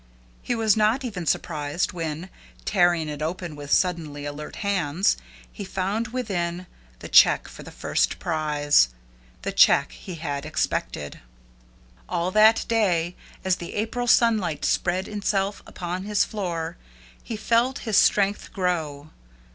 He was not even surprised, when, tearing it open with suddenly alert hands, he found within the check for the first prize the check he had expected. All that day, as the April sunlight spread itself upon his floor, he felt his strength grow.